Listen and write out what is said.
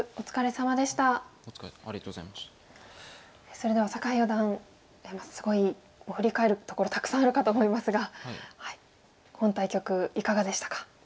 それでは酒井四段すごいもう振り返るところたくさんあるかと思いますが本対局いかがでしたか？